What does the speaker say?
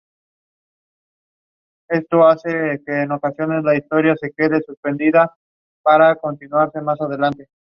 El juego alterna entre los niveles de desplazamiento horizontal y vertical.